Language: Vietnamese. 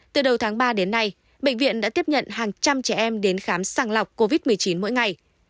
từ đầu tháng ba đến nay bệnh viện đã tiếp nhận hàng trăm trẻ em đến khám sàng lọc covid một mươi chín mỗi ngày